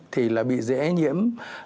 thì là bị dễ nhiễm